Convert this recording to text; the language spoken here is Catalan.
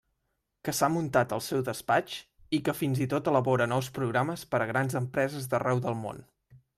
Que s'ha muntat el seu despatx, i que fins i tot elabora nous programes per a grans empreses d'arreu del món.